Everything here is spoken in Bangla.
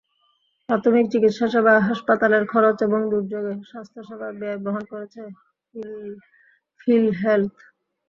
প্রাথমিক চিকিৎসাসেবা, হাসপাতালের খরচ এবং দুর্যোগে স্বাস্থ্যসেবার ব্যয় বহন করছে ফিলহেলথ।